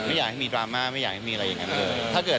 ไม่อยากให้มีดราม่าไม่อยากให้มีอะไรอย่างนั้นเลย